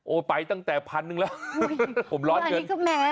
โอไปตั้งแต่วันพันธุ์ผมร้อนเกิน